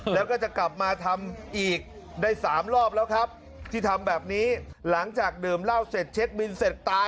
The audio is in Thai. แล้วก็จะกลับมาทำอีกได้สามรอบแล้วครับที่ทำแบบนี้หลังจากดื่มเหล้าเสร็จเช็คบินเสร็จตาย